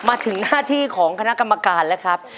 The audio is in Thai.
มาถึงหน้าที่ของคณะกรรมการแล้วครับ